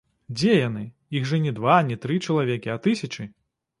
Дзе яны, іх жа не два, не тры чалавекі, а тысячы?